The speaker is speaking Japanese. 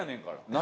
何？